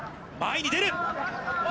前に出る。